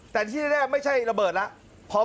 แต่ที่แน่ไม่ใช่ระเบิดแล้ว